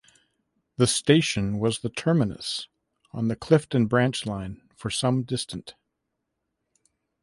The station was the terminus on the Clifden branch line from some distant.